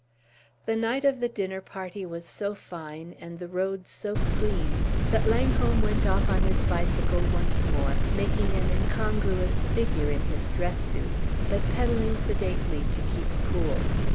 The night of the dinner party was so fine and the roads so clean that Langholm went off on his bicycle once more, making an incongruous figure in his dress suit, but pedalling sedately to keep cool.